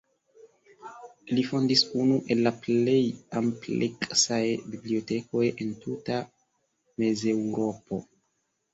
Li fondis unu el la plej ampleksaj bibliotekoj en tuta Mezeŭropo.